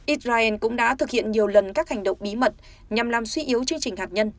israel cũng đã thực hiện nhiều lần các hành động bí mật nhằm làm suy yếu chương trình hạt nhân